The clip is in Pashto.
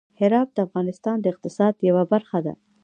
هرات د افغانستان د اقتصاد یوه برخه ده.